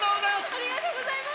ありがとうございます。